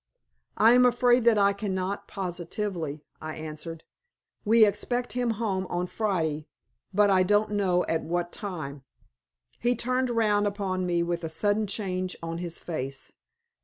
"I am afraid that I cannot positively," I answered. "We expect him home on Friday, but I don't know at what time." He turned round upon me with a sudden change on his face.